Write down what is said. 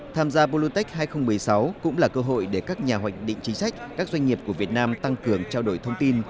tham gia polumtec hai nghìn một mươi sáu cũng là cơ hội để các nhà hoạch định chính sách các doanh nghiệp của việt nam tăng cường trao đổi thông tin